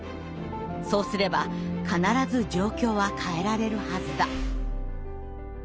そうすれば必ず状況は変えられるはずだ」。